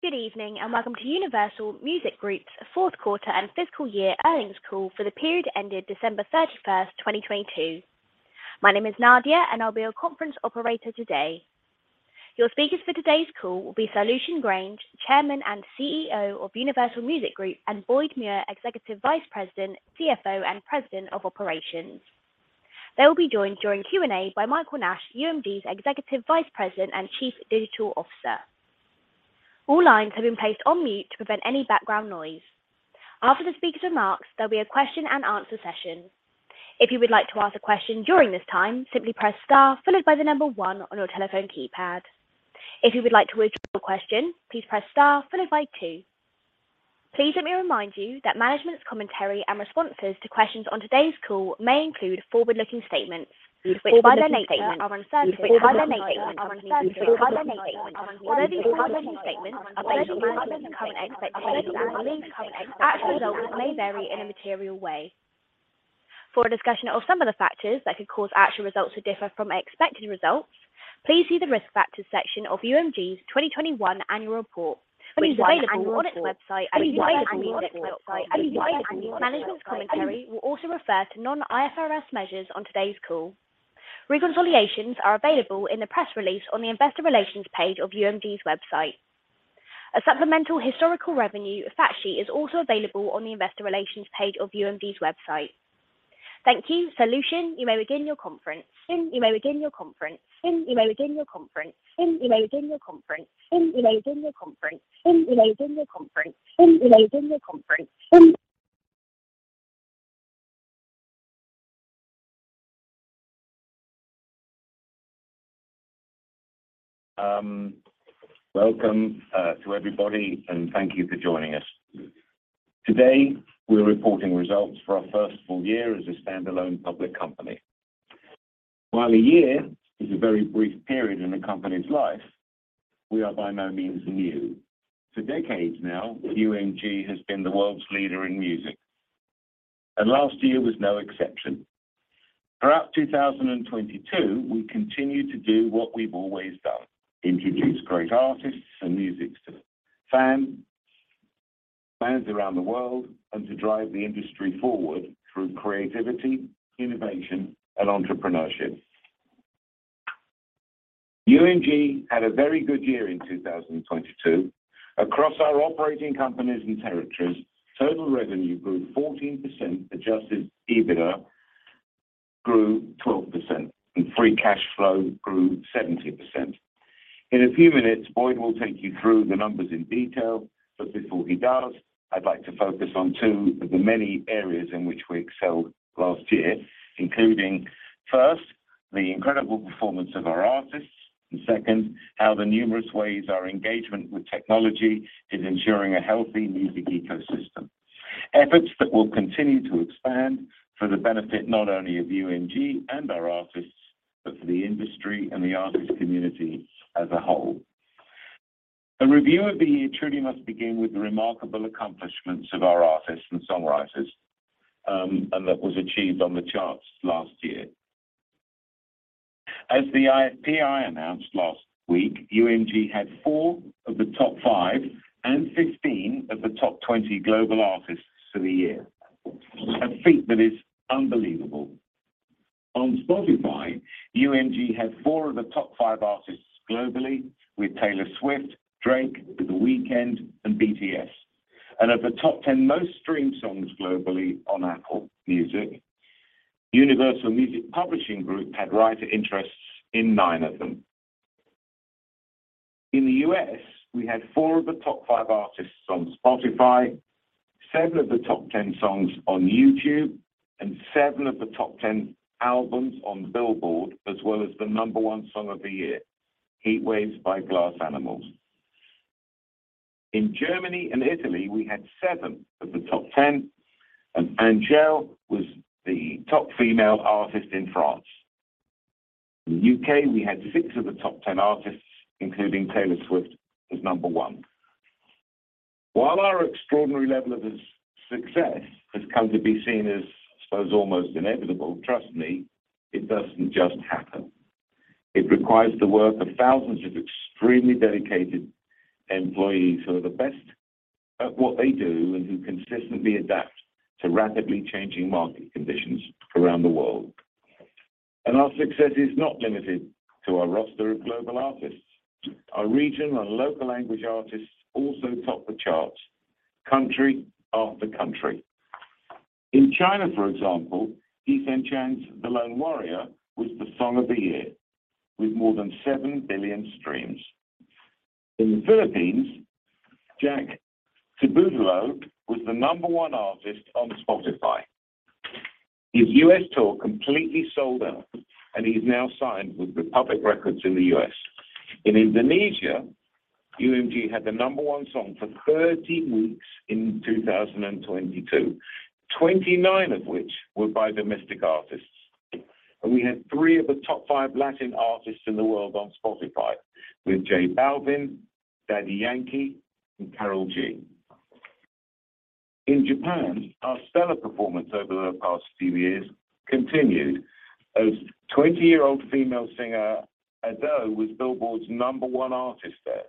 Good evening, welcome to Universal Music Group's Fourth Quarter and Fiscal Year Earnings call for the period ended December 31st, 2022. My name is Nadia, I'll be your conference operator today. Your speakers for today's call will be Lucian Grainge, Chairman and CEO of Universal Music Group, and Boyd Muir, Executive Vice President, CFO, and President of Operations. They will be joined during Q&A by Michael Nash, UMG's Executive Vice President and Chief Digital Officer. All lines have been placed on mute to prevent any background noise. After the speakers' remarks, there'll be a question-and-answer session. If you would like to ask a question during this time, simply press star followed by one on your telephone keypad. If you would like to withdraw your question, please press star followed by two. Please let me remind you that management's commentary and responses to questions on today's call may include forward-looking statements, which by their nature are uncertain. These forward-looking statements are based on management's current expectations, actual results may vary in a material way. For a discussion of some of the factors that could cause actual results to differ from expected results, please see the Risk Factors section of UMG's 2021 annual report, which is available on its website. Management's commentary will also refer to non-IFRS measures on today's call. Reconciliations are available in the press release on the investor relations page of UMG's website. A supplemental historical revenue factsheet is also available on the investor relations page of UMG's website. Thank you. Lucian, you may begin your conference. Welcome to everybody, thank you for joining us. Today, we're reporting results for our first full year as a standalone public company. While a year is a very brief period in a company's life, we are by no means new. For decades now, UMG has been the world's leader in music, last year was no exception. Throughout 2022, we continued to do what we've always done: introduce great artists and music to fans around the world to drive the industry forward through creativity, innovation, and entrepreneurship. UMG had a very good year in 2022. Across our operating companies and territories, total revenue grew 14%, Adjusted EBITDA grew 12%, free cash flow grew 70%. In a few minutes, Boyd Muir will take you through the numbers in detail. Before he does, I'd like to focus on two of the many areas in which we excelled last year, including, first, the incredible performance of our artists, and 2nd, how the numerous ways our engagement with technology is ensuring a healthy music ecosystem, efforts that will continue to expand for the benefit not only of UMG and our artists, but for the industry and the artist community as a whole. A review of the year truly must begin with the remarkable accomplishments of our artists and songwriters, and that was achieved on the charts last year. As the IFPI announced last week, UMG had four of the top five and 15 of the top 20 global artists for the year, a feat that is unbelievable. On Spotify, UMG had four of the top five artists globally with Taylor Swift, Drake, The Weeknd, and BTS. Of the top 10 most-streamed songs globally on Apple Music, Universal Music Publishing Group had writer interests in nine of them. In the U.S., we had four of the top five artists on Spotify, seven of the top 10 songs on YouTube, and seven of the top 10 albums on Billboard, as well as the number one song of the year, Heat Waves by Glass Animals. In Germany and Italy, we had seven of the top 10, and Angèle was the top female artist in France. In the U.K., we had six of the top 10 artists, including Taylor Swift as number one. While our extraordinary level of success has come to be seen as, I suppose, almost inevitable, trust me, it doesn't just happen. It requires the work of thousands of extremely dedicated employees who are the best at what they do and who consistently adapt to rapidly changing market conditions around the world. Our success is not limited to our roster of global artists. Our regional and local language artists also top the charts country after country. In China, for example, Eason Chan's The Lone Warrior was the song of the year, with more than 7 billion streams. In the Philippines, Zack Tabudlo was the number one artist on Spotify. His U.S. tour completely sold out, and he's now signed with Republic Records in the U.S. In Indonesia, UMG had the number one song for 30 weeks in 2022, 29 of which were by domestic artists. We had three of the top five Latin artists in the world on Spotify with J Balvin, Daddy Yankee, and Karol G. In Japan, our stellar performance over the past few years continued as 20-year-old female singer Ado was Billboard's number one artist there.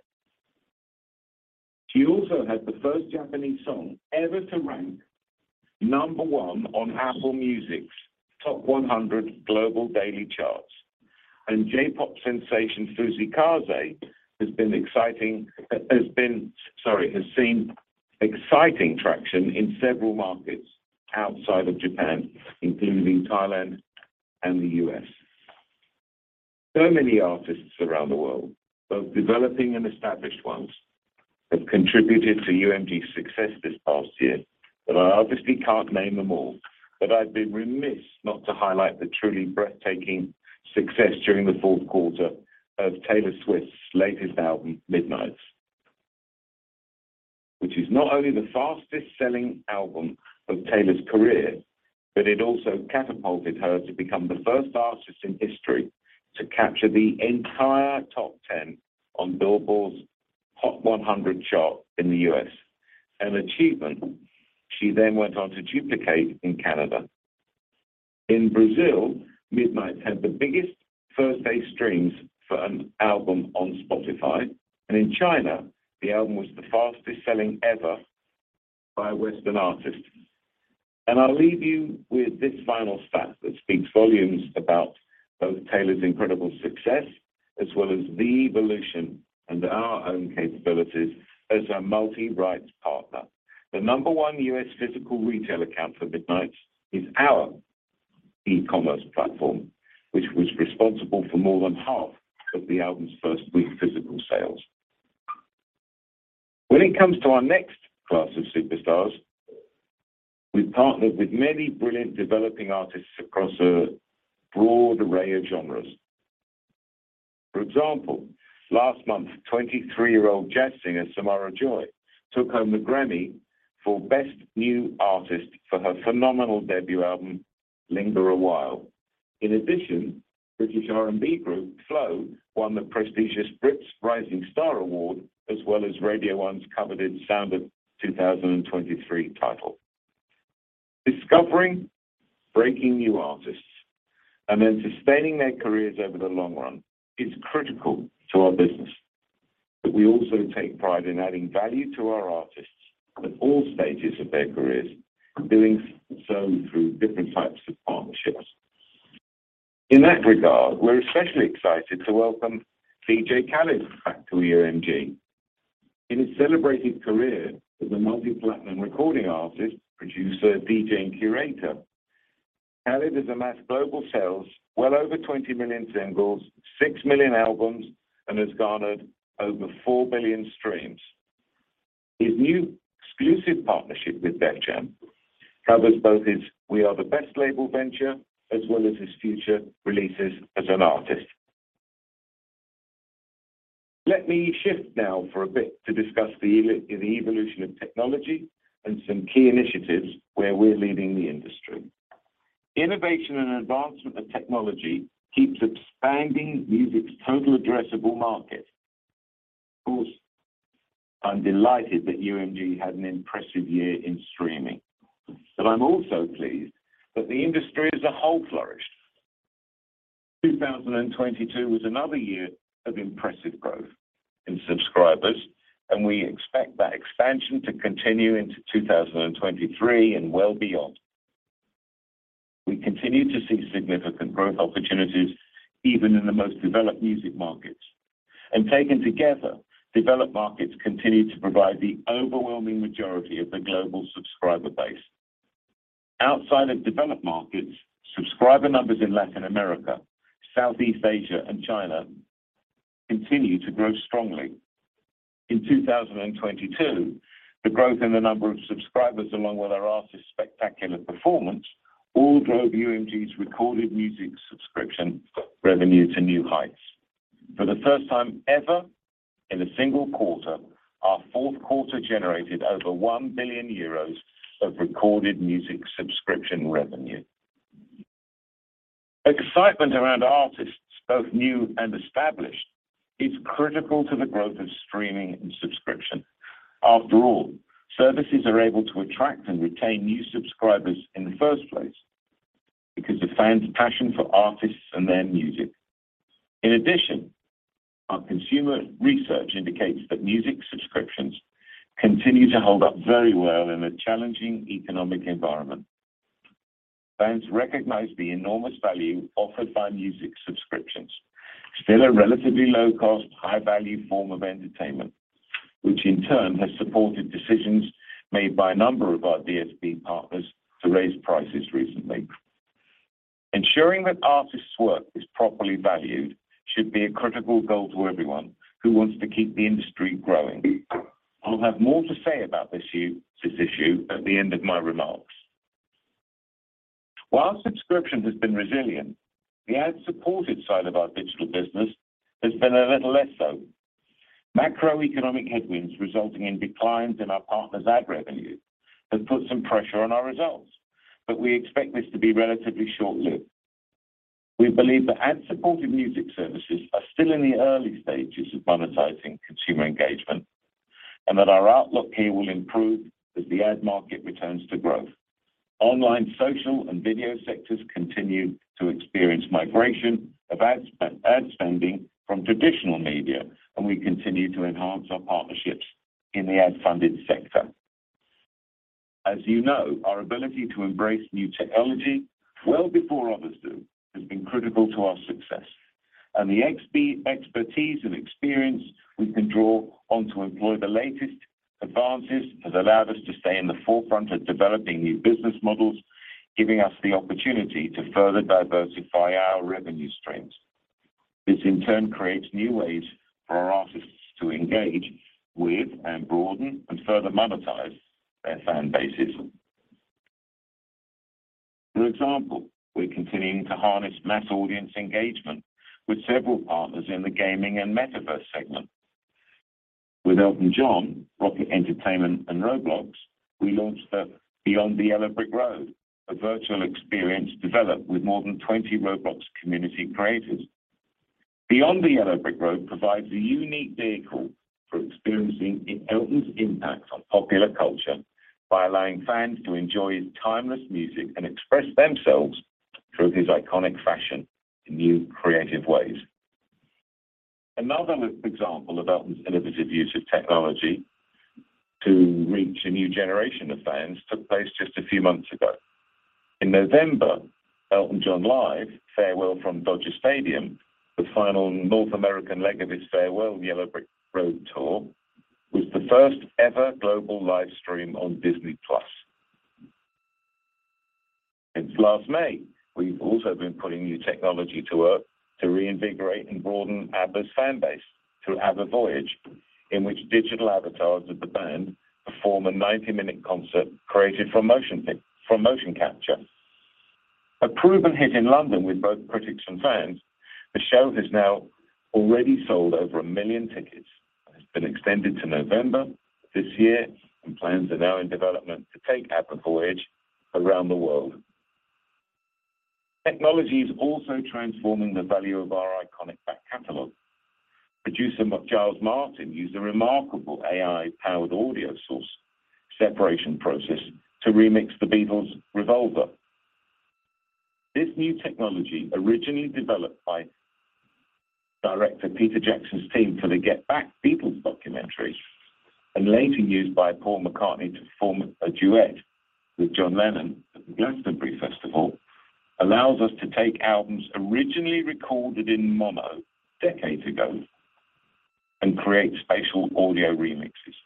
She also had the first Japanese song ever to rank number one on Apple Music's top 100 global daily charts. J-pop sensation Suzi Quatro has seen exciting traction in several markets outside of Japan, including Thailand and the U.S. Many artists around the world, both developing and established ones, have contributed to UMG's success this past year, but I obviously can't name them all. I'd be remiss not to highlight the truly breathtaking success during the fourth quarter of Taylor Swift's latest album, Midnights, which is not only the fastest-selling album of Taylor's career, but it also catapulted her to become the first artist in history to capture the entire top 10 on Billboard's Hot 100 chart in the U.S., an achievement she then went on to duplicate in Canada. In Brazil, Midnights had the biggest first-day streams for an album on Spotify, and in China, the album was the fastest-selling ever by a Western artist. I'll leave you with this final stat that speaks volumes about both Taylor's incredible success as well as the evolution and our own capabilities as a multi-rights partner. The number one U.S. physical retail account for Midnights is our e-commerce platform, which was responsible for more than half of the album's first-week physical sales. When it comes to our next class of superstars, we've partnered with many brilliant developing artists across a broad array of genres. For example, last month, 23-year-old jazz singer Samara Joy took home the GRAMMY for Best New Artist for her phenomenal debut album, Linger Awhile. In addition, British R&B group FLO won the prestigious BRITs Rising Star Award, as well as Radio One's coveted Sound Of...2023 title. Discovering, breaking new artists, and then sustaining their careers over the long run is critical to our business. We also take pride in adding value to our artists at all stages of their careers, doing so through different types of partnerships. In that regard, we're especially excited to welcome DJ Khaled back to UMG. In his celebrated career as a multi-platinum recording artist, producer, DJ, and curator, Khaled has amassed global sales well over 20 million singles, 6 million albums, and has garnered over 4 billion streams. His new exclusive partnership with Def Jam covers both his We Are the Best Label venture as well as his future releases as an artist. Let me shift now for a bit to discuss the evolution of technology and some key initiatives where we're leading the industry. Innovation and advancement of technology keeps expanding music's total addressable market. Of course, I'm delighted that UMG had an impressive year in streaming, but I'm also pleased that the industry as a whole flourished. 2022 was another year of impressive growth in subscribers, and we expect that expansion to continue into 2023 and well beyond. We continue to see significant growth opportunities even in the most developed music markets. Taken together, developed markets continue to provide the overwhelming majority of the global subscriber base. Outside of developed markets, subscriber numbers in Latin America, Southeast Asia, and China continue to grow strongly. In 2022, the growth in the number of subscribers, along with our artists' spectacular performance, all drove UMG's recorded music subscription revenue to new heights. For the first time ever in a single quarter, our fourth quarter generated over 1 billion euros of recorded music subscription revenue. Excitement around artists, both new and established, is critical to the growth of streaming and subscription. After all, services are able to attract and retain new subscribers in the first place because of fans' passion for artists and their music. Our consumer research indicates that music subscriptions continue to hold up very well in a challenging economic environment. Fans recognize the enormous value offered by music subscriptions, still a relatively low-cost, high-value form of entertainment, which in turn has supported decisions made by a number of our DSP partners to raise prices recently. Ensuring that artists' work is properly valued should be a critical goal to everyone who wants to keep the industry growing. I'll have more to say about this issue at the end of my remarks. While subscription has been resilient, the ad-supported side of our digital business has been a little less so. Macroeconomic headwinds resulting in declines in our partners' ad revenue have put some pressure on our results, but we expect this to be relatively short-lived. We believe that ad-supported music services are still in the early stages of monetizing consumer engagement, and that our outlook here will improve as the ad market returns to growth. Online, social, and video sectors continue to experience migration of ad spending from traditional media, and we continue to enhance our partnerships in the ad-funded sector. As you know, our ability to embrace new technology well before others do has been critical to our success, and the expertise and experience we can draw on to employ the latest advances has allowed us to stay in the forefront of developing new business models, giving us the opportunity to further diversify our revenue streams. This, in turn, creates new ways for our artists to engage with and broaden and further monetize their fan bases. For example, we're continuing to harness mass audience engagement with several partners in the gaming and metaverse segment. With Elton John, Rocket Entertainment, and Roblox, we launched the Beyond the Yellow Brick Road, a virtual experience developed with more than 20 Roblox community creators. Beyond the Yellow Brick Road provides a unique vehicle for experiencing Elton's impact on popular culture by allowing fans to enjoy his timeless music and express themselves through his iconic fashion in new, creative ways. Another example of Elton's innovative use of technology to reach a new generation of fans took place just a few months ago. In November, Elton John Live: Farewell from Dodger Stadium, the final North American leg of his Farewell Yellow Brick Road tour, was the first-ever global live stream on Disney+. Since last May, we've also been putting new technology to work to reinvigorate and broaden ABBA's fan base through ABBA Voyage, in which digital avatars of the band perform a 90-minute concert created from motion capture. A proven hit in London with both critics and fans, the show has now already sold over 1 million tickets and has been extended to November this year. Plans are now in development to take ABBA Voyage around the world. Technology is also transforming the value of our iconic back catalog. Producer Giles Martin used a remarkable AI-powered audio source separation process to remix The Beatles' Revolver. This new technology, originally developed by Director Peter Jackson's team for the Get Back Beatles documentary and later used by Paul McCartney to perform a duet with John Lennon at the Glastonbury Festival, allows us to take albums originally recorded in mono decades ago and create spatial audio remixes.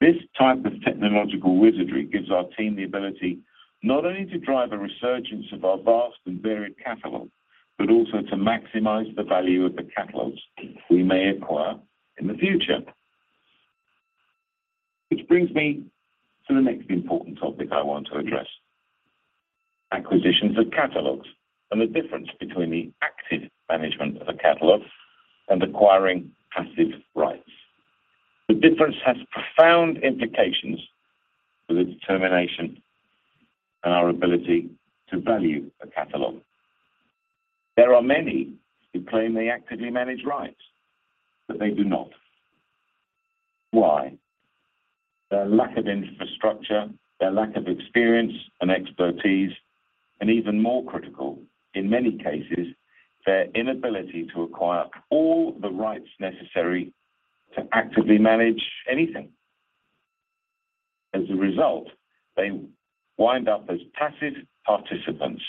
This type of technological wizardry gives our team the ability not only to drive a resurgence of our vast and varied catalog, but also to maximize the value of the catalogs we may acquire in the future. Which brings me to the next important topic I want to address, acquisitions of catalogs and the difference between the active management of a catalog and acquiring passive rights. The difference has profound implications for the determination and our ability to value a catalog. There are many who claim they actively manage rights, but they do not. Why? Their lack of infrastructure, their lack of experience and expertise, and even more critical, in many cases, their inability to acquire all the rights necessary to actively manage anything. As a result, they wind up as passive participants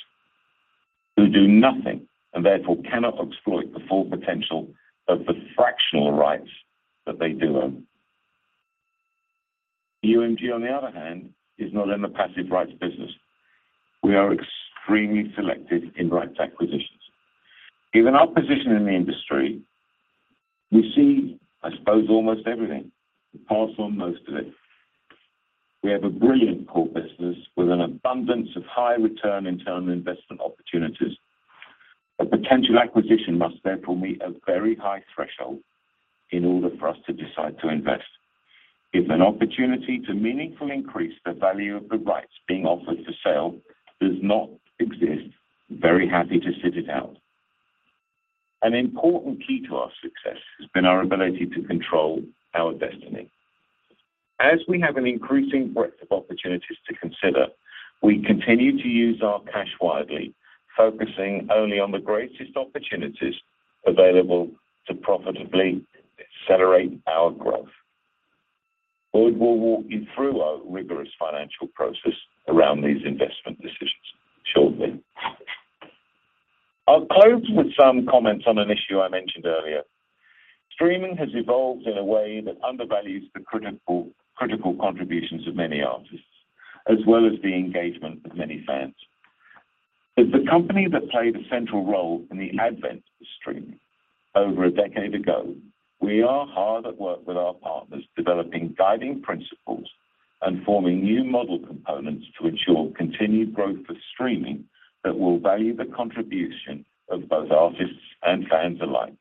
who do nothing and therefore cannot exploit the full potential of the fractional rights that they do own. UMG, on the other hand, is not in the passive rights business. We are extremely selective in rights acquisitions. Given our position in the industry, we see, I suppose, almost everything and pass on most of it. We have a brilliant core business with an abundance of high-return internal investment opportunities. A potential acquisition must therefore meet a very high threshold in order for us to decide to invest. If an opportunity to meaningfully increase the value of the rights being offered for sale does not exist, very happy to sit it out. An important key to our success has been our ability to control our destiny. As we have an increasing breadth of opportunities to consider, we continue to use our cash wisely, focusing only on the greatest opportunities available to profitably accelerate our growth. Boyd will walk you through our rigorous financial process around these investment decisions shortly. I'll close with some comments on an issue I mentioned earlier. Streaming has evolved in a way that undervalues the critical contributions of many artists, as well as the engagement of many fans. As the company that played a central role in the advent of streaming over a decade ago, we are hard at work with our partners, developing guiding principles and forming new model components to ensure continued growth for streaming that will value the contribution of both artists and fans alike.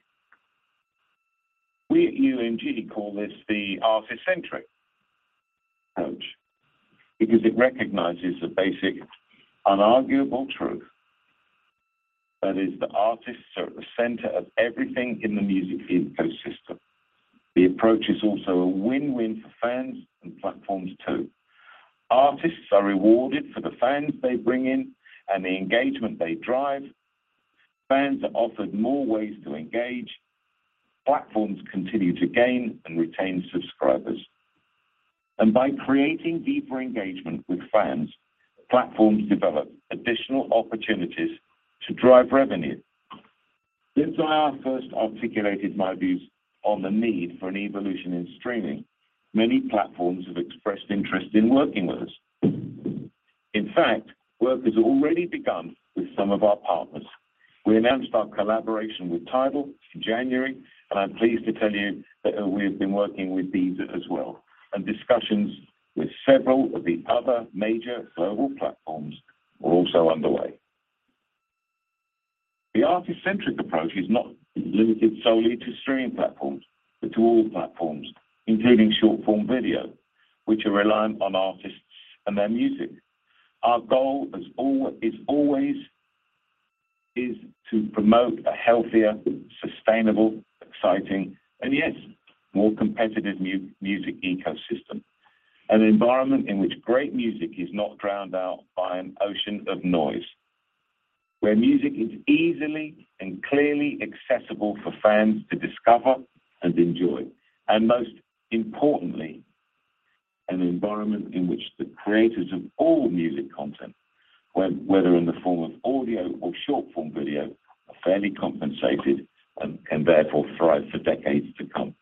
We at UMG call this the artist-centric. Because it recognizes the basic unarguable truth, that is, the artists are at the center of everything in the music ecosystem. The approach is also a win-win for fans and platforms, too. Artists are rewarded for the fans they bring in and the engagement they drive. Fans are offered more ways to engage. Platforms continue to gain and retain subscribers. By creating deeper engagement with fans, platforms develop additional opportunities to drive revenue. Since I first articulated my views on the need for an evolution in streaming, many platforms have expressed interest in working with us. In fact, work has already begun with some of our partners. We announced our collaboration with TIDAL in January. I'm pleased to tell you that we have been working with Deezer as well, and discussions with several of the other major global platforms are also underway. The artist-centric approach is not limited solely to streaming platforms, but to all platforms, including short-form video, which are reliant on artists and their music. Our goal is always to promote a healthier, sustainable, exciting, and, yes, more competitive music ecosystem. An environment in which great music is not drowned out by an ocean of noise. Where music is easily and clearly accessible for fans to discover and enjoy. Most importantly, an environment in which the creators of all music content, whether in the form of audio or short-form video, are fairly compensated and therefore thrive for decades to come.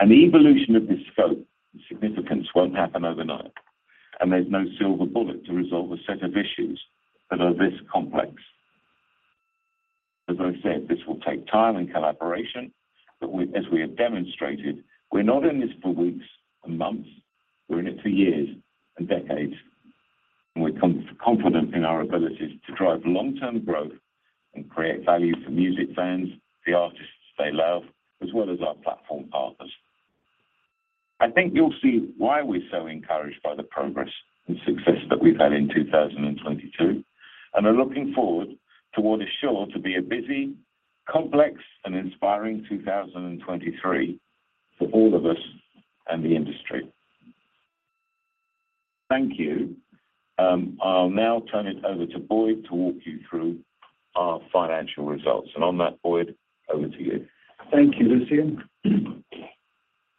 An evolution of this scope and significance won't happen overnight, and there's no silver bullet to resolve a set of issues that are this complex. As I said, this will take time and collaboration, as we have demonstrated, we're not in this for weeks and months, we're in it for years and decades, and we're confident in our abilities to drive long-term growth and create value for music fans, the artists they love, as well as our platform partners. I think you'll see why we're so encouraged by the progress and success that we've had in 2022, and are looking forward toward a sure to be a busy, complex, and inspiring 2023 for all of us and the industry. Thank you. I'll now turn it over to Boyd to walk you through our financial results. On that, Boyd, over to you. Thank you, Lucian.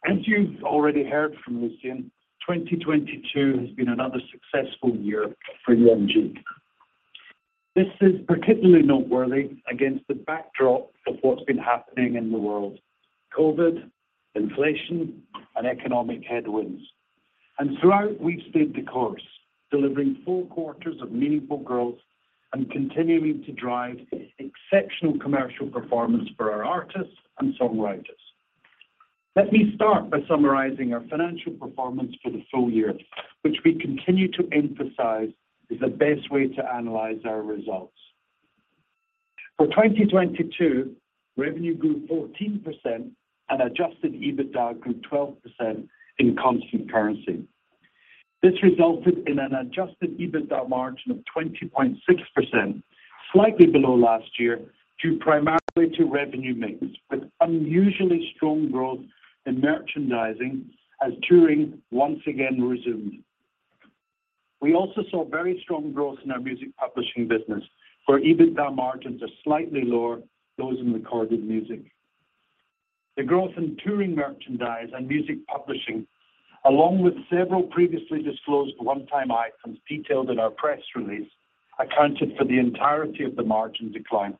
As you've already heard from Lucian, 2022 has been another successful year for UMG. This is particularly noteworthy against the backdrop of what's been happening in the world: COVID, inflation, and economic headwinds. Throughout, we've stayed the course, delivering four quarters of meaningful growth and continuing to drive exceptional commercial performance for our artists and songwriters. Let me start by summarizing our financial performance for the full year, which we continue to emphasize is the best way to analyze our results. For 2022, revenue grew 14% and Adjusted EBITDA grew 12% in constant currency. This resulted in an Adjusted EBITDA margin of 20.6%, slightly below last year, due primarily to revenue mix, with unusually strong growth in merchandising as touring once again resumed. We also saw very strong growth in our music publishing business, where EBITDA margins are slightly lower those in recorded music. The growth in touring merchandise and music publishing, along with several previously disclosed one-time items detailed in our press release, accounted for the entirety of the margin decline.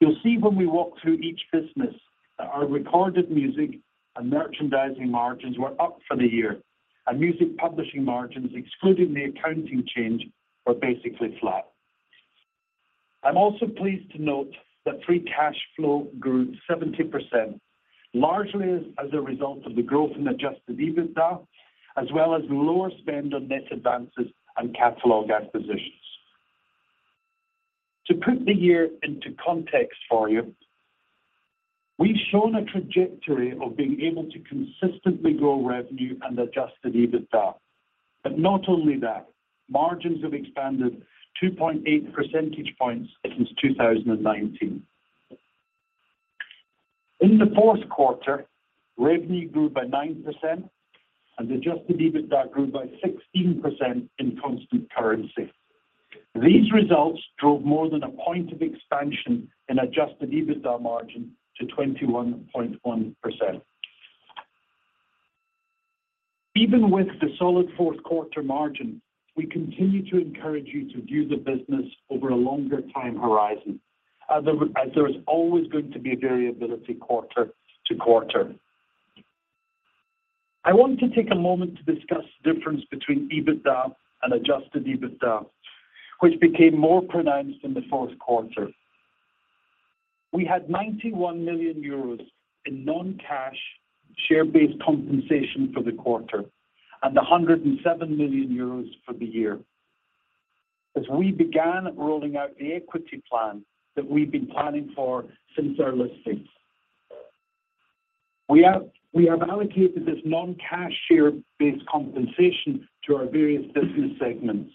You'll see when we walk through each business that our recorded music and merchandising margins were up for the year, and music publishing margins, excluding the accounting change, were basically flat. I'm also pleased to note that free cash flow grew 70%, largely as a result of the growth in Adjusted EBITDA, as well as lower spend on net advances and catalog acquisitions. To put the year into context for you, we've shown a trajectory of being able to consistently grow revenue and Adjusted EBITDA. Not only that, margins have expanded 2.8 percentage points since 2019. In the fourth quarter, revenue grew by 9% and Adjusted EBITDA grew by 16% in constant currency. These results drove more than a point of expansion in Adjusted EBITDA margin to 21.1%. Even with the solid fourth quarter margin, we continue to encourage you to view the business over a longer time horizon, as there is always going to be variability quarter to quarter. I want to take a moment to discuss the difference between EBITDA and Adjusted EBITDA, which became more pronounced in the fourth quarter. We had 91 million euros in non-cash share-based compensation for the quarter and 107 million euros for the year. As we began rolling out the equity plan that we've been planning for since our listings. We have allocated this non-cash share-based compensation to our various business segments.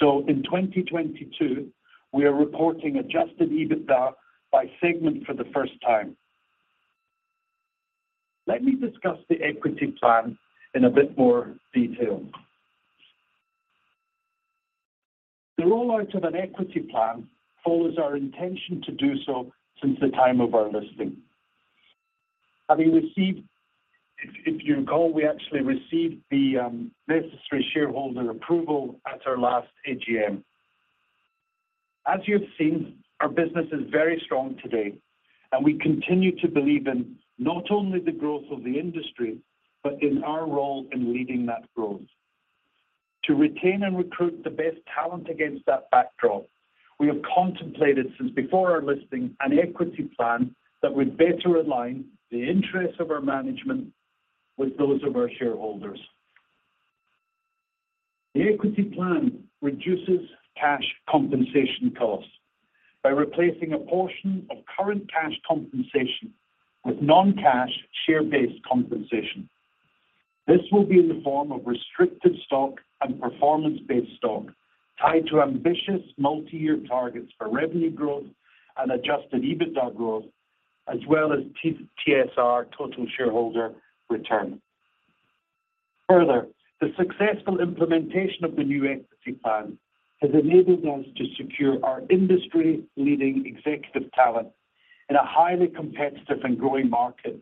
In 2022, we are reporting Adjusted EBITDA by segment for the first time. Let me discuss the equity plan in a bit more detail. The rollout of an equity plan follows our intention to do so since the time of our listing. If you recall, we actually received the necessary shareholder approval at our last AGM. As you have seen, our business is very strong today, and we continue to believe in not only the growth of the industry, but in our role in leading that growth. To retain and recruit the best talent against that backdrop, we have contemplated since before our listing an equity plan that would better align the interests of our management with those of our shareholders. The equity plan reduces cash compensation costs by replacing a portion of current cash compensation with non-cash share-based compensation. This will be in the form of restricted stock and performance-based stock tied to ambitious multi-year targets for revenue growth and Adjusted EBITDA growth, as well as T-TSR total shareholder return. Further, the successful implementation of the new equity plan has enabled us to secure our industry-leading executive talent in a highly competitive and growing market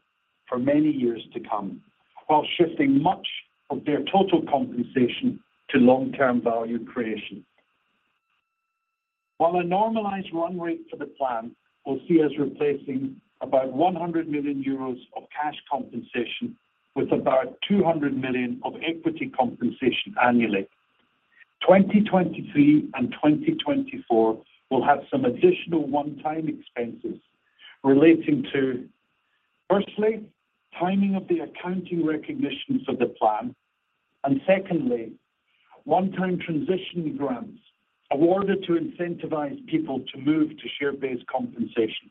for many years to come, while shifting much of their total compensation to long-term value creation. While a normalized run rate for the plan will see us replacing about 100 million euros of cash compensation with about 200 million of equity compensation annually. 2023 and 2024 will have some additional one-time expenses relating to, firstly, timing of the accounting recognitions of the plan, and secondly, one-time transition grants awarded to incentivize people to move to share-based compensation.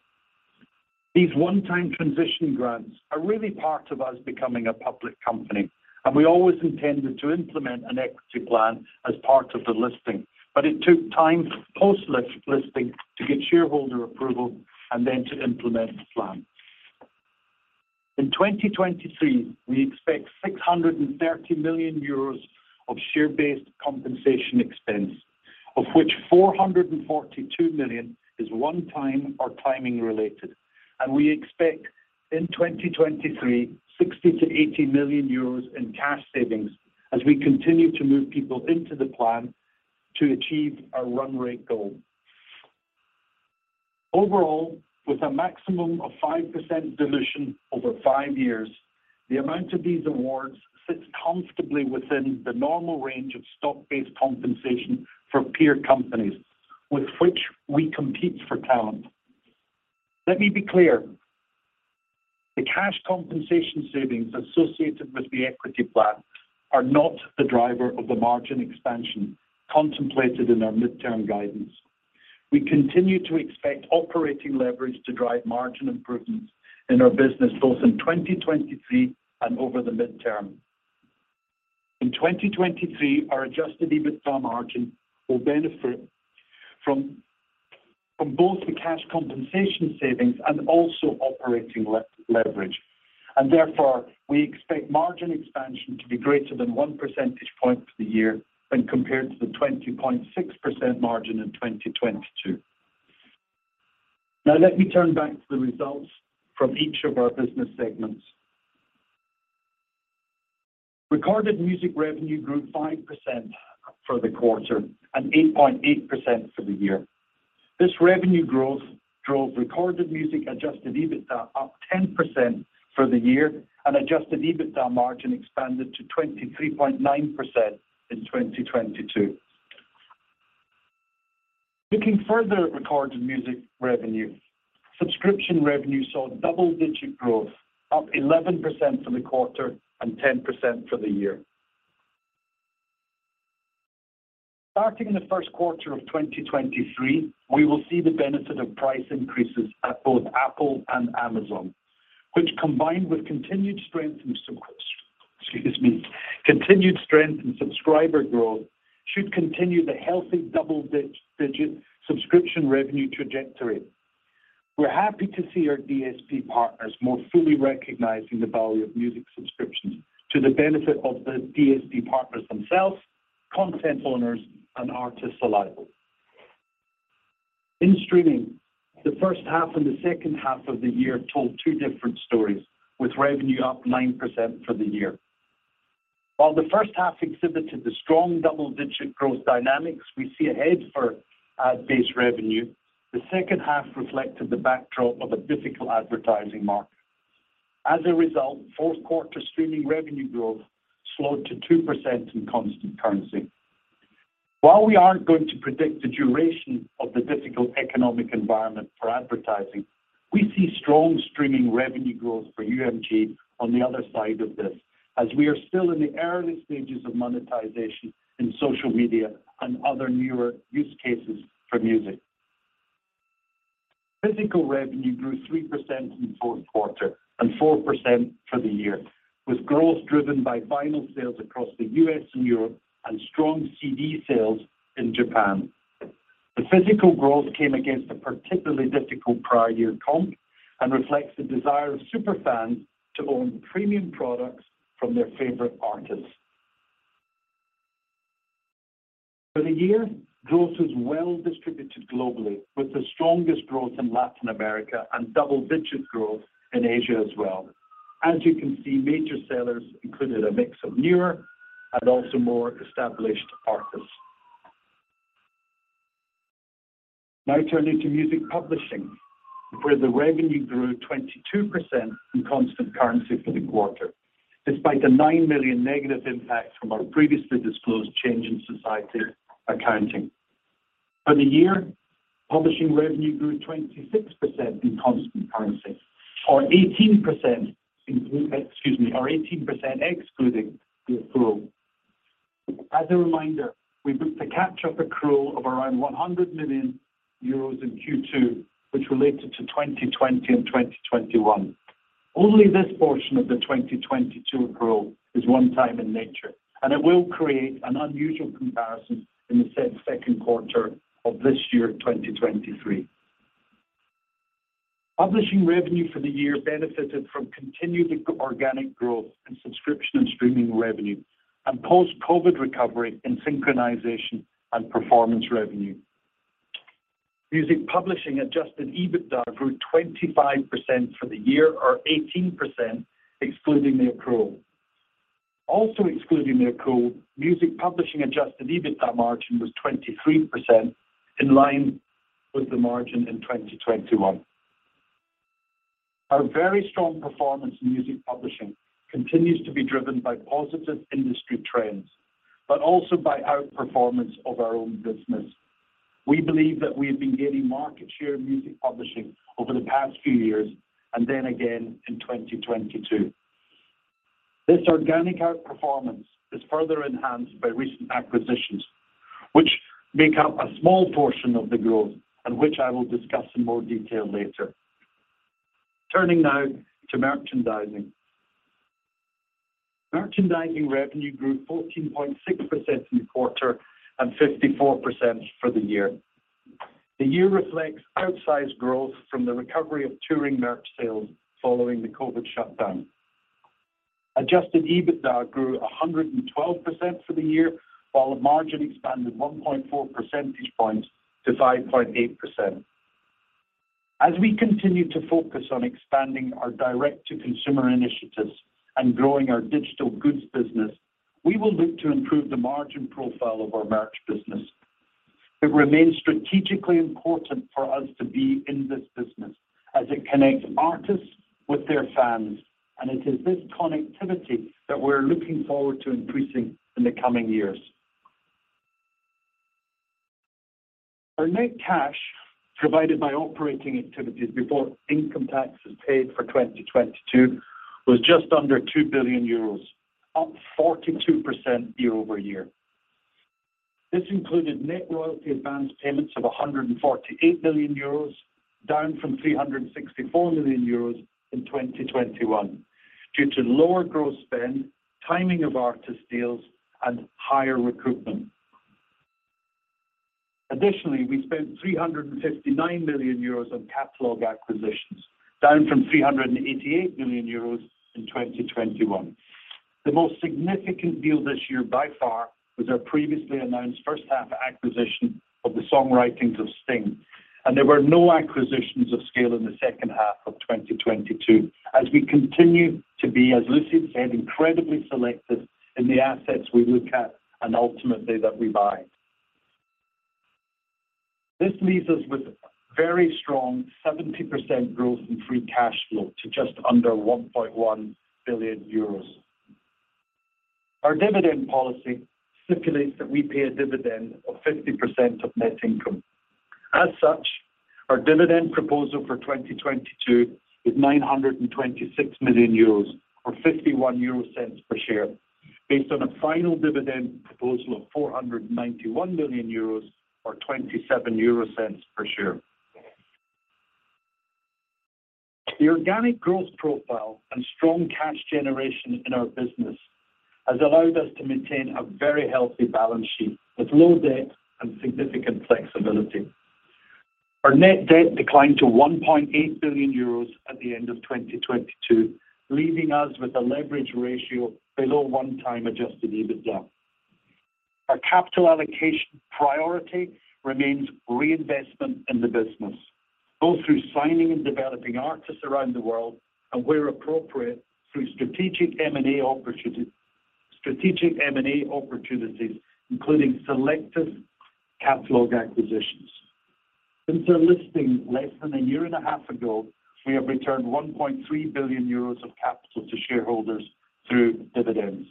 These one-time transition grants are really part of us becoming a public company, and we always intended to implement an equity plan as part of the listing, but it took time post list-listing to get shareholder approval and then to implement the plan. In 2023, we expect 630 million euros of share-based compensation expense, of which 442 million is one time or timing related. We expect in 2023, 60 million-80 million euros in cash savings as we continue to move people into the plan to achieve our run rate goal. Overall, with a maximum of 5% dilution over five years, the amount of these awards sits comfortably within the normal range of stock-based compensation for peer companies with which we compete for talent. Let me be clear. The cash compensation savings associated with the equity plan are not the driver of the margin expansion contemplated in our midterm guidance. We continue to expect operating leverage to drive margin improvements in our business, both in 2023 and over the midterm. In 2023, our Adjusted EBITDA margin will benefit from both the cash compensation savings and also operating leverage. Therefore, we expect margin expansion to be greater than one percentage point for the year when compared to the 20.6% margin in 2022. Let me turn back to the results from each of our business segments. Recorded music revenue grew 5% for the quarter and 8.8% for the year. This revenue growth drove recorded music Adjusted EBITDA up 10% for the year. Adjusted EBITDA margin expanded to 23.9% in 2022. Looking further at recorded music revenue, subscription revenue saw double-digit growth, up 11% for the quarter and 10% for the year. Starting in the first quarter of 2023, we will see the benefit of price increases at both Apple and Amazon, which combined with continued strength in subscriber growth should continue the healthy double-digit subscription revenue trajectory. We're happy to see our DSP partners more fully recognizing the value of music subscriptions to the benefit of the DSP partners themselves, content owners, and artists alike. In streaming, the first half and the second half of the year told two different stories, with revenue up 9% for the year. While the first half exhibited the strong double-digit growth dynamics we see ahead for ad-based revenue, the second half reflected the backdrop of a difficult advertising market. As a result, fourth quarter streaming revenue growth slowed to 2% in constant currency. While we aren't going to predict the duration of the difficult economic environment for advertising. We see strong streaming revenue growth for UMG on the other side of this, as we are still in the early stages of monetization in social media and other newer use cases for music. Physical revenue grew 3% in the fourth quarter and 4% for the year, with growth driven by vinyl sales across the U.S. and Europe and strong CD sales in Japan. The physical growth came against a particularly difficult prior year comp and reflects the desire of super fans to own premium products from their favorite artists. For the year, growth was well distributed globally, with the strongest growth in Latin America and double-digit growth in Asia as well. As you can see, major sellers included a mix of newer and also more established artists. Now turning to Music Publishing, where the revenue grew 22% in constant currency for the quarter, despite the 9 million negative impact from our previously disclosed change in society accounting. For the year, publishing revenue grew 26% in constant currency, or 18%, excuse me, or 18% excluding the accrual. As a reminder, we booked a catch-up accrual of around 100 million euros in Q2, which related to 2020 and 2021. Only this portion of the 2022 accrual is one-time in nature, and it will create an unusual comparison in the said second quarter of this year, 2023. Publishing revenue for the year benefited from continued organic growth in subscription and streaming revenue and post-COVID recovery in synchronization and performance revenue. Music Publishing Adjusted EBITDA grew 25% for the year, or 18% excluding the accrual. Also excluding the accrual, Music Publishing Adjusted EBITDA margin was 23%, in line with the margin in 2021. Our very strong performance in Music Publishing continues to be driven by positive industry trends, but also by outperformance of our own business. We believe that we have been gaining market share in Music Publishing over the past few years, and then again in 2022. This organic outperformance is further enhanced by recent acquisitions, which make up a small portion of the growth and which I will discuss in more detail later. Turning now to Merchandising. Merchandising revenue grew 14.6% in the quarter and 54% for the year. The year reflects outsized growth from the recovery of touring merch sales following the COVID shutdown. Adjusted EBITDA grew 112% for the year, while the margin expanded 1.4 percentage points to 5.8%. As we continue to focus on expanding our direct-to-consumer initiatives and growing our digital goods business, we will look to improve the margin profile of our merch business. It remains strategically important for us to be in this business as it connects artists with their fans, and it is this connectivity that we're looking forward to increasing in the coming years. Our net cash provided by operating activities before income taxes paid for 2022 was just under 2 billion euros, up 42% year-over-year. This included net royalty advance payments of 148 million euros, down from 364 million euros in 2021, due to lower gross spend, timing of artist deals, and higher recoupment. Additionally, we spent 359 million euros on catalog acquisitions, down from 388 million euros in 2021. The most significant deal this year by far was our previously announced first-half acquisition of the songwritings of Sting. There were no acquisitions of scale in the second half of 2022 as we continue to be, as Lucie said, incredibly selective in the assets we look at and ultimately that we buy. This leaves us with very strong 70% growth in free cash flow to just under 1.1 billion euros. Our dividend policy stipulates that we pay a dividend of 50% of net income. Our dividend proposal for 2022 is 926 million euros or 0.51 per share, based on a final dividend proposal of 491 million euros or 0.27 per share. The organic growth profile and strong cash generation in our business has allowed us to maintain a very healthy balance sheet with low debt and significant flexibility. Our net debt declined to 1.8 billion euros at the end of 2022, leaving us with a leverage ratio below 1x Adjusted EBITDA. Our capital allocation priority remains reinvestment in the business, both through signing and developing artists around the world and, where appropriate, through strategic M&A opportunities, including selective catalog acquisitions. Since our listing less than a year and a half ago, we have returned 1.3 billion euros of capital to shareholders through dividends.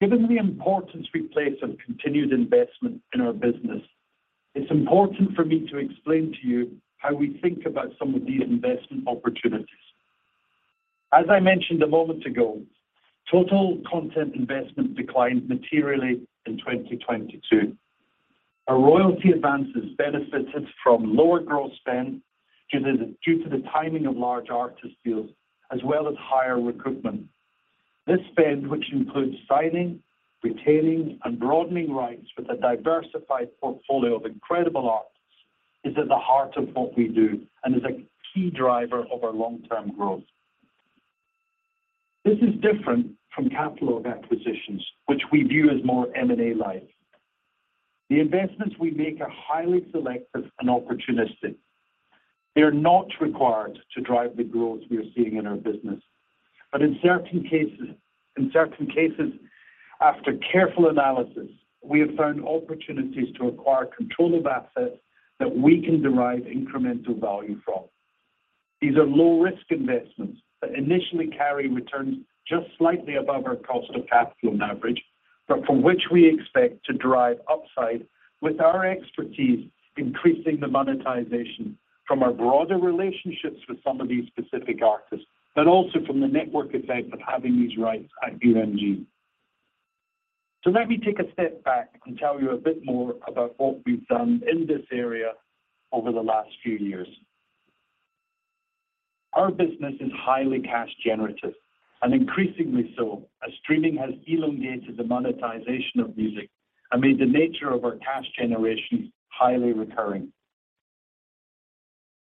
Given the importance we place on continued investment in our business, it's important for me to explain to you how we think about some of these investment opportunities. As I mentioned a moment ago, total content investment declined materially in 2022. Our royalty advances benefited from lower gross spend due to the timing of large artist deals as well as higher recoupment. This spend, which includes signing, retaining, and broadening rights with a diversified portfolio of incredible artists, is at the heart of what we do and is a key driver of our long-term growth. This is different from catalog acquisitions, which we view as more M&A-like. The investments we make are highly selective and opportunistic. They are not required to drive the growth we are seeing in our business. In certain cases, after careful analysis, we have found opportunities to acquire control of assets that we can derive incremental value from. These are low-risk investments that initially carry returns just slightly above our cost of capital on average, but from which we expect to drive upside with our expertise, increasing the monetization from our broader relationships with some of these specific artists, but also from the network effect of having these rights at UMG. Let me take a step back and tell you a bit more about what we've done in this area over the last few years. Our business is highly cash generative, and increasingly so, as streaming has elongated the monetization of music and made the nature of our cash generation highly recurring.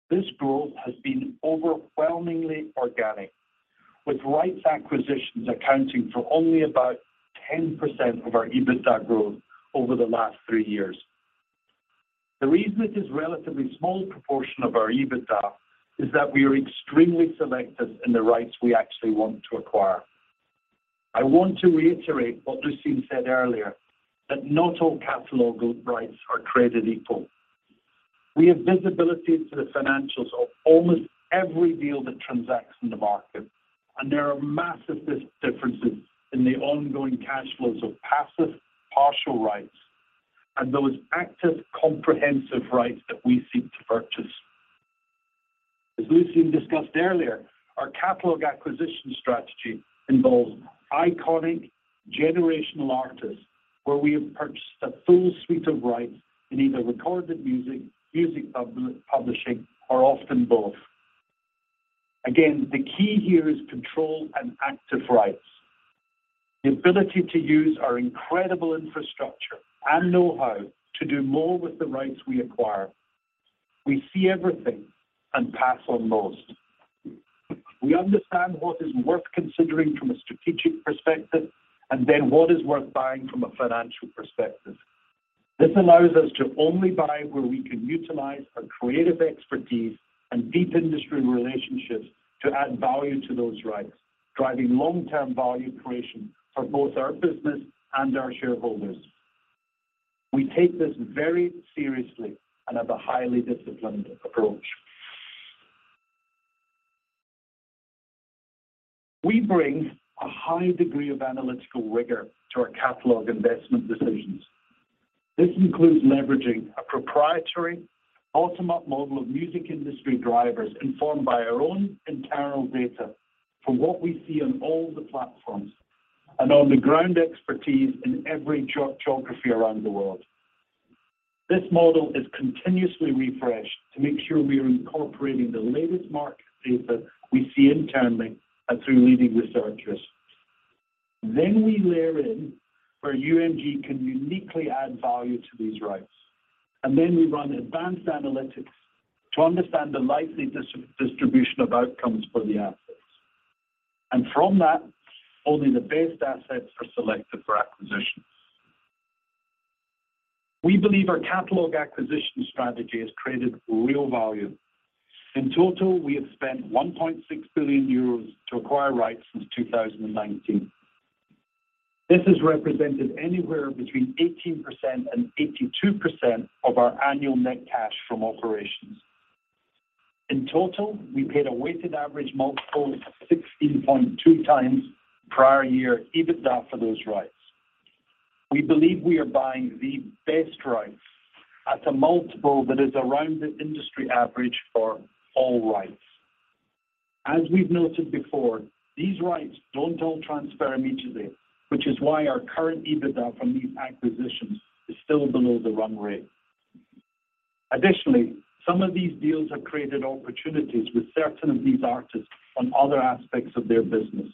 This growth has been overwhelmingly organic, with rights acquisitions accounting for only about 10% of our EBITDA growth over the last three years. The reason it is relatively small proportion of our EBITDA is that we are extremely selective in the rights we actually want to acquire. I want to reiterate what Lucian said earlier, that not all catalog rights are created equal. We have visibility into the financials of almost every deal that transacts in the market. There are massive differences in the ongoing cash flows of passive partial rights and those active comprehensive rights that we seek to purchase. As Lucian discussed earlier, our catalog acquisition strategy involves iconic generational artists, where we have purchased a full suite of rights in either recorded music publishing, or often both. The key here is control and active rights, the ability to use our incredible infrastructure and know-how to do more with the rights we acquire. We see everything and pass on most. We understand what is worth considering from a strategic perspective and then what is worth buying from a financial perspective. This allows us to only buy where we can utilize our creative expertise and deep industry relationships to add value to those rights, driving long-term value creation for both our business and our shareholders. We take this very seriously and have a highly disciplined approach. We bring a high degree of analytical rigor to our catalog investment decisions. This includes leveraging a proprietary bottom-up model of music industry drivers informed by our own internal data from what we see on all the platforms and on-the-ground expertise in every geography around the world. This model is continuously refreshed to make sure we are incorporating the latest market data we see internally and through leading researchers. We layer in where UMG can uniquely add value to these rights, and then we run advanced analytics to understand the likely distribution of outcomes for the assets. From that, only the best assets are selected for acquisitions. We believe our catalog acquisition strategy has created real value. In total, we have spent 1.6 billion euros to acquire rights since 2019. This has represented anywhere between 18%-82% of our annual net cash from operations. In total, we paid a weighted average multiple of 16.2x prior year EBITDA for those rights. We believe we are buying the best rights at a multiple that is around the industry average for all rights. As we've noted before, these rights don't all transfer immediately, which is why our current EBITDA from these acquisitions is still below the run rate. Additionally, some of these deals have created opportunities with certain of these artists on other aspects of their business.